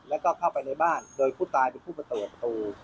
แล้วก็เข้าไปในบ้านโดยผู้ตายเป็นผู้มาเปิดประตู